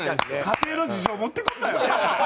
家庭の事情持ってくんなよ。